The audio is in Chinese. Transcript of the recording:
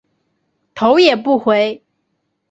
头也不回